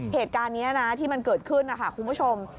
เหตุการณ์นี้นะที่มันเกิดขึ้นนะคะคุณผู้ชม